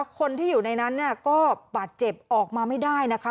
คนที่อยู่ในนั้นก็บาดเจ็บออกมาไม่ได้นะคะ